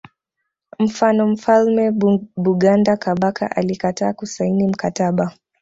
Mfano mfalme Buganda Kabaka alikataa kusaini mkataba